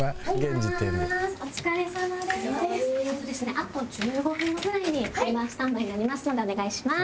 あと１５分後ぐらいに本番スタンバイになりますのでお願いします。